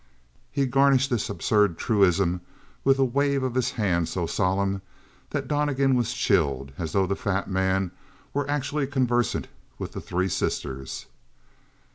He garnished this absurd truism with a wave of his hand so solemn that Donnegan was chilled; as though the fat man were actually conversant with the Three Sisters.